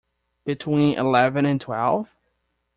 Between eleven and twelve?